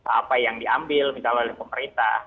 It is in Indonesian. apa yang diambil misalnya oleh pemerintah